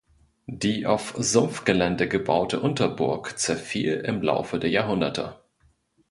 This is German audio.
Die auf Sumpfgelände gebaute Unterburg zerfiel im Laufe der Jahrhunderte.